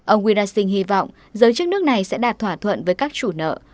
ông wrasing hy vọng giới chức nước này sẽ đạt thỏa thuận với các chủ nợ